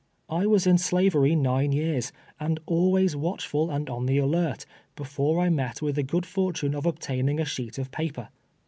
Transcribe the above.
I was in slavery nine years, and always watchful and on the alert, before I met with the good fortune of obtaining a sheet of pa per.